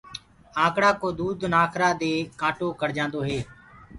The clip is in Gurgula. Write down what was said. آنڪڙآ ڪو دود نآکرآ دي ڪآنٽو ڪڙجآندوئي۔